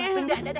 cuapin udah udah